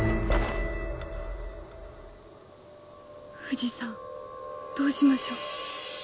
藤さんどうしましょう。